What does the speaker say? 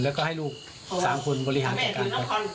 แล้วก็ให้ลูก๓คนบริหารจัดการไป